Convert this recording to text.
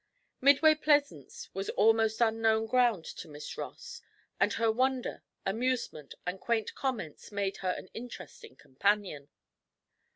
Midway Plaisance was almost unknown ground to Miss Ross, and her wonder, amusement, and quaint comments made her an interesting companion.